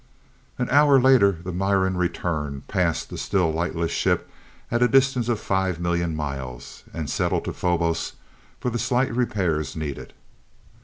An hour later the Miran returned, passed the still lightless ship at a distance of five million miles, and settled to Phobos for the slight repairs needed.